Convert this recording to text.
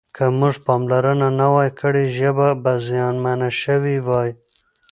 که موږ پاملرنه نه وای کړې ژبه به زیانمنه شوې وای.